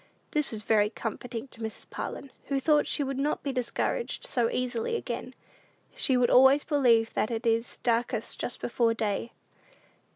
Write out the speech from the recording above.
This was very comforting to Mrs. Parlin, who thought she would not be discouraged so easily again; she would always believe that it is "darkest just before day."